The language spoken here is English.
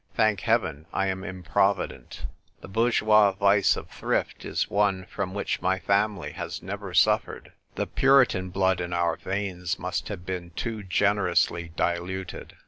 Thank heaven, I am improvident. The bourgeois vice of thrift is one from which my family has never suffered : the Puritan blood in our veins must have been too generously diluted.